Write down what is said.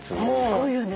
すごいよね。